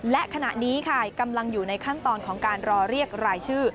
และขณะนี้ค่ะกำลังอยู่ในขั้นตอนของการรอเรียกรายชื่อ